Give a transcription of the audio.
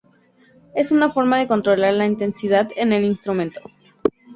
Es una forma de controlar la intensidad en el instrumento.